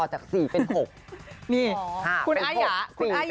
จุดเต็มไปหมดเลย